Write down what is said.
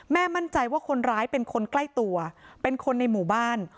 มั่นใจว่าคนร้ายเป็นคนใกล้ตัวเป็นคนในหมู่บ้าน